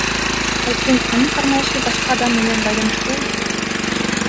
Балким, анын кармалышы башка адам менен байланыштуу.